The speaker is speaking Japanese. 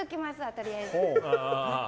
とりあえず。